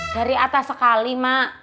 dari atas sekali mak